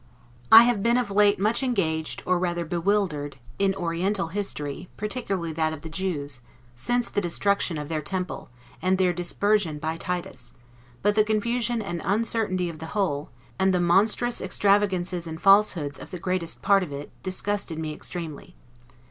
I have been of late much engaged, or rather bewildered, in Oriental history, particularly that of the Jews, since the destruction of their temple, and their dispersion by Titus; but the confusion and uncertainty of the whole, and the monstrous extravagances and falsehoods of the greatest part of it, disgusted me extremely.